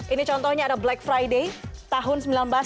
ini contohnya ada black friday tahun seribu sembilan ratus sembilan puluh